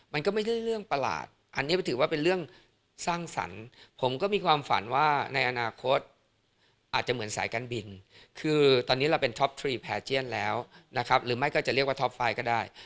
มันก็ไม่ได้เรื่องประหลาดอันนี้ถือว่าเป็นเรื่องสร้างสรรค์ผมก็มีความฝันว่าในอนาคตอาจจะเหมือนสายการบินคือตอนนี้เราเป็นท็อปทรีแพรเจียนแล้วนะครับหรือไม่ก็จะเรียกว่าท็อปไฟล์ก็ได้